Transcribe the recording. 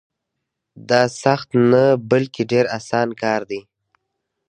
دا سخت نه بلکې ډېر اسان کار دی.